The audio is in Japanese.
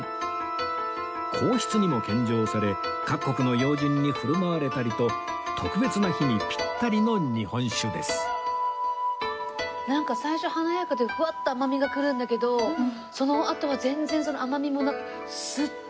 皇室にも献上され各国の要人に振る舞われたりと特別な日にピッタリの日本酒ですなんか最初華やかでフワッと甘みが来るんだけどそのあとは全然その甘みもなくスッと。